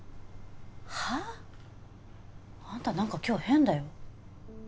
はあ？あんたなんか今日変だよ。